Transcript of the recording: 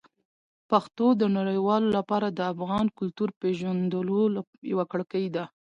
پښتو د نړیوالو لپاره د افغان کلتور پېژندلو یوه کړکۍ ده.